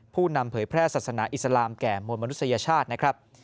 ผู้นำเผยแพร่ศาสนาอิสลามแก่มวลมนุษยชาตินะครับ